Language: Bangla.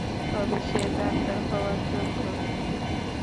তবে সে ডাক্তার হওয়ার যোগ্য।